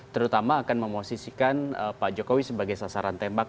terutama akan memosisikan pak jokowi sebagai sasaran tembak